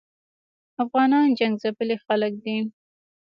افغانان جنګ ځپلي خلګ دي